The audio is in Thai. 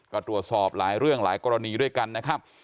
ก็ตรวจสอบหลายเรื่องหลายกรณีด้วยกันนะครับ